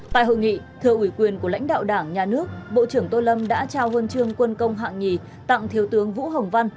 tại hội nghị thưa ủy quyền của lãnh đạo đảng nhà nước bộ trưởng tô lâm đã trao huân chương quân công hạng nhì tặng thiếu tướng vũ hồng văn